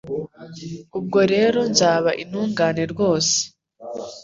Ubwo rero nzaba intungane rwose